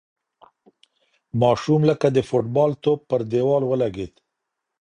ماشوم لکه د فوټبال توپ پر دېوال ولگېد.